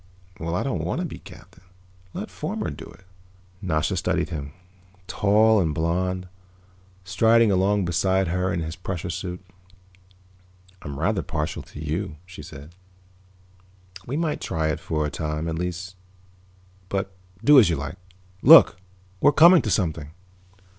"Well, I don't want to be captain. Let Fomar do it." Nasha studied him, tall and blond, striding along beside her in his pressure suit. "I'm rather partial to you," she said. "We might try it for a time, at least. But do as you like. Look, we're coming to something."